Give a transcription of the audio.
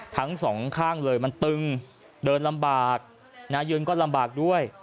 ทั้งสองข้างเลยมันตึงเดินลำบากยืนก็ลำบากด้วย